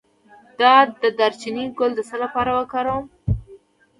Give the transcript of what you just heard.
د دارچینی ګل د څه لپاره وکاروم؟